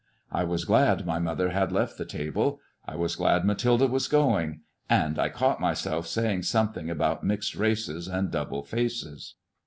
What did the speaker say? I was glad my mother had left the table; I was glad Mathilde was going; and I caught myself saying something about mixed races and double faces.